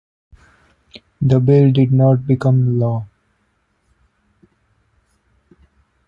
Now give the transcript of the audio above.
The bill did not become law.